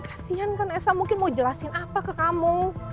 kasian kan esa mungkin mau jelasin apa ke kamu